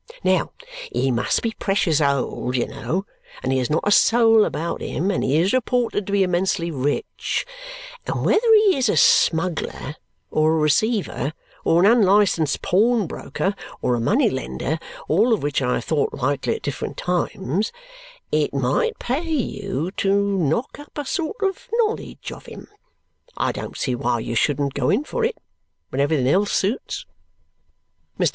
Now, he must be precious old, you know, and he has not a soul about him, and he is reported to be immensely rich; and whether he is a smuggler, or a receiver, or an unlicensed pawnbroker, or a money lender all of which I have thought likely at different times it might pay you to knock up a sort of knowledge of him. I don't see why you shouldn't go in for it, when everything else suits." Mr.